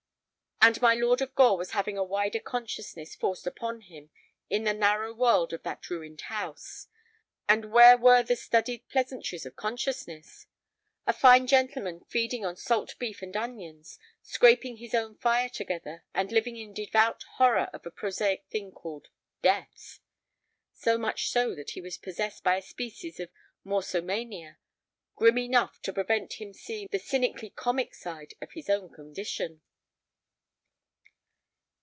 And my Lord of Gore was having a wider consciousness forced upon him in the narrow world of that ruined house. And where were the studied pleasantries of consciousness? A fine gentleman feeding on salt beef and onions, scraping his own fire together, and living in devout horror of a prosaic thing called death. So much so that he was possessed by a species of "morsomania" grim enough to prevent him seeing the cynically comic side of his own condition.